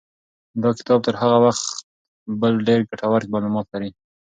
دا کتاب تر هغه بل ډېر ګټور معلومات لري.